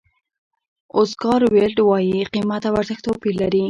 اوسکار ویلډ وایي قیمت او ارزښت توپیر لري.